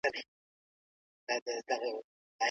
څېړنه مختلف او جلا ډولونه لري.